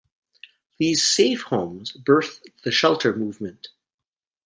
These "safe homes" birthed the shelter movement.